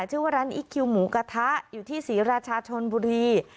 ชื่อว่าร้านอีคคิวหมูกระทะอยู่ที่ศรีราชาชนบุรี